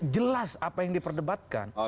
jelas apa yang diperdebatkan